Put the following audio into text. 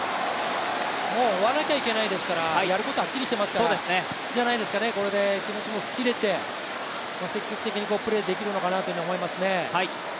もう追わなきゃいけないですからやることははっきりしてますからいいんじゃないですからね、これで気持ちも吹っ切れて、積極的にプレーできると思いますね。